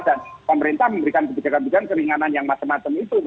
dan pemerintah memberikan kebijakan kebijakan keringanan yang macam macam itu